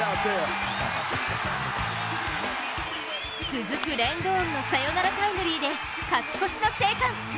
続くレンドーンのサヨナラタイムリーで勝ち越しの生還。